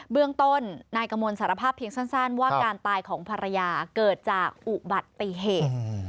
เบื้องต้นนายกมลสารภาพเพียงสั้นว่าการตายของภรรยาเกิดจากอุบัติเหตุ